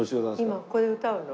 今ここで歌うの？